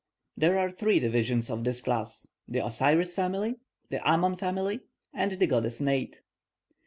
There are three divisions of this class, the Osiris family, the Amon family, and the goddess Neit.